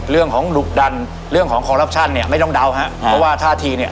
เรื่องของหลุดันเรื่องของเนี่ยไม่ต้องเดาฮะเพราะว่าท่าทีเนี่ย